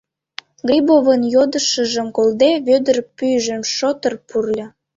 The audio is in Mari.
Грибовын йодышыжым колде, Вӧдыр пӱйжым шотыр пурльо.